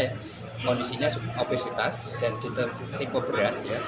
kemudian ada luka di kaki